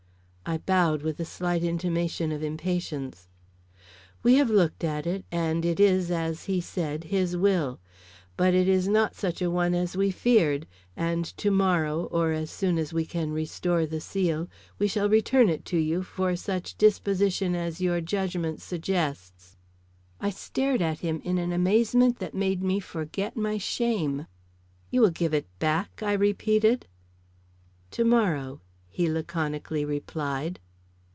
I bowed with a slight intimation of impatience. "We have looked at it and it is as he said, his will. But it is not such a one as we feared, and to morrow, or as soon as we can restore the seal, we shall return it to you for such disposition as your judgment suggests." I stared at him in an amazement that made me forget my shame. "You will give it back?" I repeated. "To morrow," he laconically replied.